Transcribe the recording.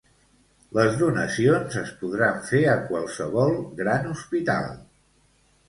Les donacions es podran fer a qualsevol gran hospital.